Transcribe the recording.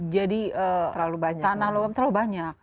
jadi tanah logam terlalu banyak